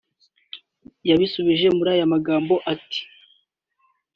yabisubije muri aya magambo ati